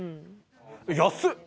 安っ！